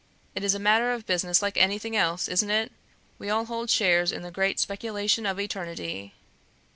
It is a matter of business like anything else, isn't it? We all hold shares in the great Speculation of Eternity."